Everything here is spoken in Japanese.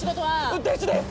運転手です！